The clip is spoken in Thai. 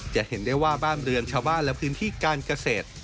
จะเห็นได้ว่าบ้านเรือนชาวบ้านและพื้นที่การเกษตร